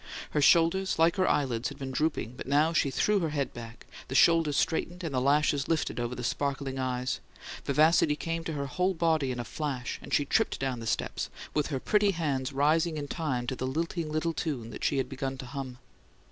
Her shoulders, like her eyelids, had been drooping, but now she threw her head back: the shoulders straightened, and the lashes lifted over sparkling eyes; vivacity came to her whole body in a flash; and she tripped down the steps, with her pretty hands rising in time to the lilting little tune she had begun to hum.